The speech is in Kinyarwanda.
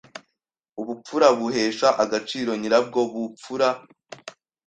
Ubupfura buhesha agaciro nyirabwo b u pfura